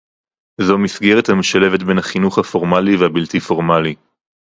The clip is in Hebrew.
זו מסגרת המשלבת בין החינוך הפורמלי והבלתי-פורמלי